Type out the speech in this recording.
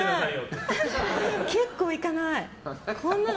結構いかない。